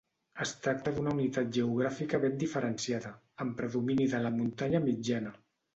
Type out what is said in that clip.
Es tracta d'una unitat geogràfica ben diferenciada, amb predomini de la muntanya mitjana.